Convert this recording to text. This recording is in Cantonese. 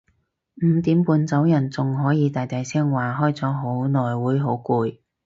五點半走人仲可以大大聲話開咗好耐會好攰